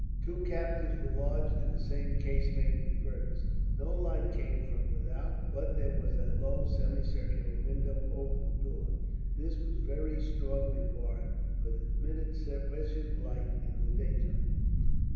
Two captains were lodged in the same casemate with Fergus. No light came from without, but there was a low semicircular window over the door. This was very strongly barred, but admitted sufficient light, in the daytime.